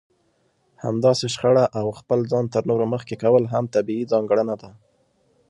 همداسې شخړه او خپل ځان تر نورو مخکې کول هم طبيعي ځانګړنه ده.